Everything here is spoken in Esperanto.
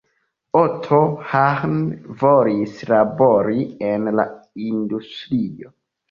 Otto Hahn volis labori en la industrio.